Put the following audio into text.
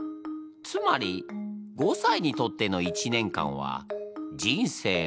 つまり５歳にとっての一年間は人生の５分の１。